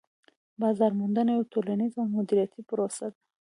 بازار موندنه یوه ټولنيزه او دمدریتی پروسه ده